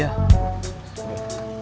ntar kita kerja